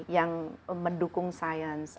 yang mendukung science